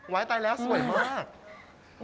ว้ายตายแล้วสวยมาก